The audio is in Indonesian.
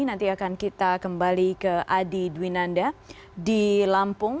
nanti akan kita kembali ke adi dwinanda di lampung